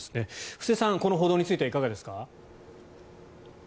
布施さん、この報道についてはいかがですか？